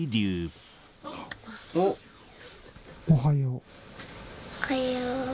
おはよう。